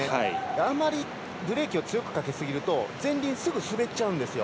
あまりブレーキを強くかけすぎると前輪すぐ滑っちゃうんですよ。